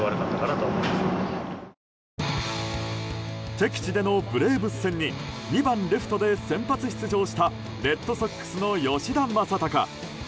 敵地でのブレーブス戦に２番レフトで先発出場したレッドソックスの吉田正尚。